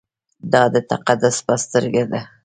دا د تقدس په سترګه ده.